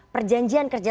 perjanjian kerja sama